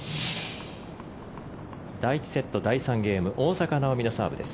第１セット第３ゲーム大坂なおみのサーブです。